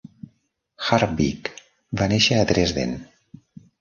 Harbig va néixer a Dresden.